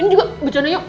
ini juga bercanda yuk